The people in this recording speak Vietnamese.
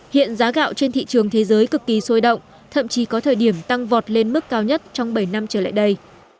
hiện giá gạo trên thị trường thế giới cực kỳ sôi động thậm chí có thời điểm tăng vọt lên mức cao nhất trong bảy năm trở lại đây